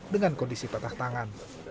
dengan kondisi patah tangan